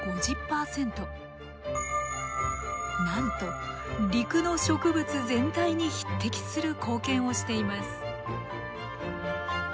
なんと陸の植物全体に匹敵する貢献をしています。